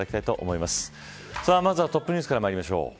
まずはトップニュースからまいりましょう。